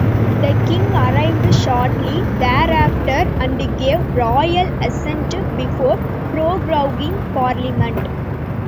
The King arrived shortly thereafter and gave Royal Assent before proroguing Parliament.